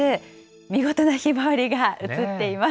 見事なひまわりが写っています。